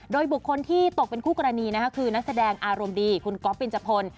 โดยบุคคลที่ตกเป็นคู่กรณีนะคะคือนักแสดงอารมณ์ดีคุณก๊อฟเบนจพล